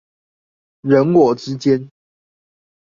人我之間